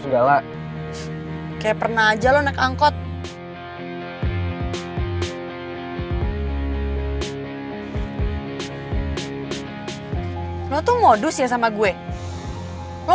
walaupun tetep nyebelin